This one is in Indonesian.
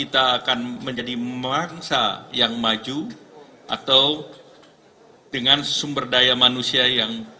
terima kasih atas kerajaan saya